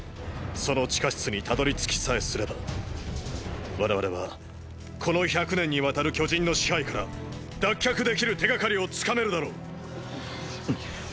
その地下室にたどりつきさえすれば我々はこの１００年にわたる巨人の支配から脱却できる手がかりをつかめるだろう！え？